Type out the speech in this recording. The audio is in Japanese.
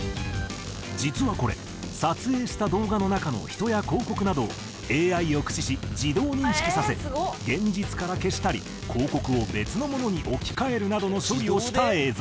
実はこれ撮影した動画の中の人や広告などをＡＩを駆使し自動認識させ現実から消したり広告を別のものに置き換えるなどの処理をした映像。